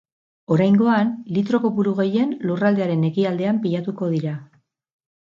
Oraingoan, litro kopuru gehien lurraldearen ekialdean pilatuko dira.